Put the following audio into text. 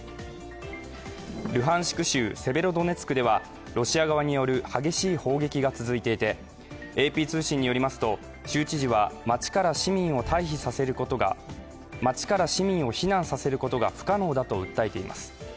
ルハンシク州セベロドネツクではロシア側による、激しい砲撃が続いていて、ＡＰ通信によりますと州知事は町から市民を避難させることが不可能だと訴えています。